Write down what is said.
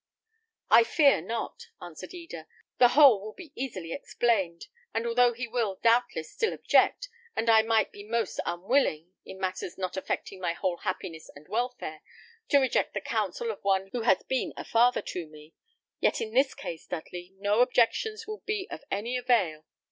"I fear not," answered Eda, "the whole will be easily explained; and although he will, doubtless, still object, and I might be most unwilling, in matters not affecting my whole happiness and welfare, to reject the counsel of one who has been a father to me, yet in this case, Dudley, no objections will be of any avail.